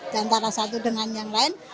diantara satu dengan yang lain